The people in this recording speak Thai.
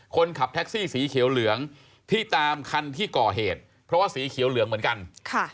คนขับแท็กซี่สีเขียวเหลืองที่ตามคันที่ก่อเหตุเพราะว่าสีเขียวเหลืองเหมือนกันค่ะ